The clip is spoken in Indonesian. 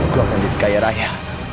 gue akan jadi kaya raya